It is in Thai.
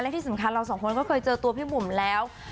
ที่สำคัญเราสองคนก็เคยเจอตัวพี่บุ๋มแล้ว